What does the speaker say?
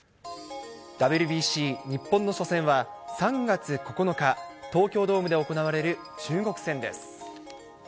ＷＢＣ日本の初戦は、３月９日、東京ドームで行われる中国戦です。